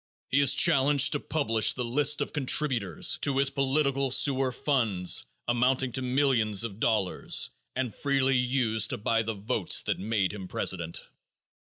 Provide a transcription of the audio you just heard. He is challenged to publish the list of contributors to his political sewer funds, amounting to millions of dollars, and freely used to buy the votes that made him president.